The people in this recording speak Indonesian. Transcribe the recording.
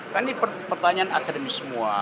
kan ini pertanyaan akademis semua